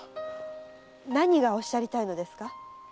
何がおっしゃりたいのですか？